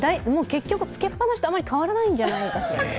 結局、つけっぱなしとあまり変わりないんじゃないかしら。